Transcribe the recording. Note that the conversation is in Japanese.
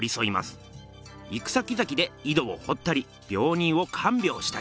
行くさきざきで井戸をほったりびょう人をかんびょうしたり。